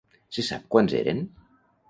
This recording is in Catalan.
Se sap quants eren?